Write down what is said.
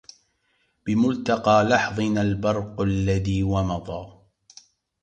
بملتقى لحظنا البرق الذي ومضا